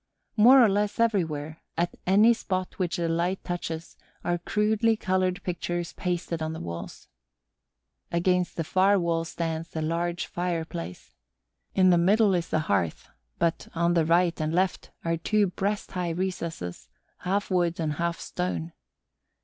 More or less everywhere, at any spot which the light touches, are crudely colored pictures pasted on the walls. Against the far wall stands the large fireplace. In the middle is the hearth, but, on the right and left, are two breast high recesses, half wood and half stone.